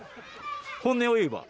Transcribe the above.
本音を言えば。